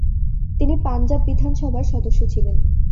তিনি পাঞ্জাব বিধানসভার সদস্য ছিলেন।